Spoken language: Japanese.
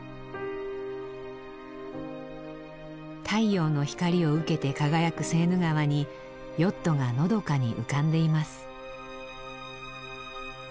太陽の光を受けて輝くセーヌ川にヨットがのどかに浮かんでいます。